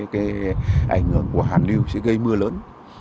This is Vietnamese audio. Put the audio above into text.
cái ảnh hưởng của hàn liêu sẽ gây mưa lớn